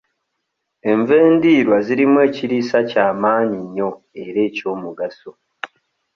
Enva endiirwa zirimu ekiriisa kya maanyi nnyo era eky'omugaso.